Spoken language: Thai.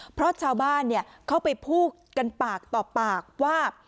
เพราะชาวบ้านเข้าไปพูดกันปากต่อปากว่า